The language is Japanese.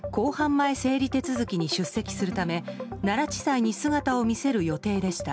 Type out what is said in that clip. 前整理手続きに出席するため奈良地裁に姿を見せる予定でした。